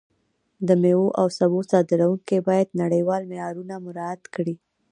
د میوو او سبو صادروونکي باید نړیوال معیارونه مراعت کړي.